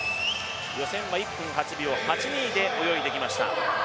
予選は１分８秒８２で泳いできました。